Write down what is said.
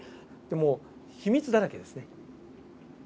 もう秘密だらけですね。